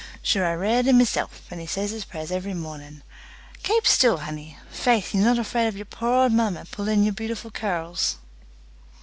Shure I rared him meself, and he says his prayers every morning. Kape sthill, honey! Faith, ye're not afraid of yer poor old mammy pullin' yer beautiful cur r rls?"